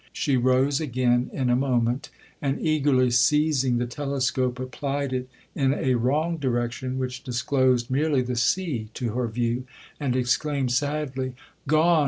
She rose again in a moment, and eagerly seizing the telescope, applied it in a wrong direction, which disclosed merely the sea to her view, and exclaimed sadly, 'Gone!